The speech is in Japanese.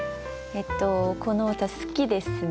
この歌好きですね。